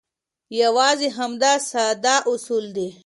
یوازې همدا ساده اصول دي.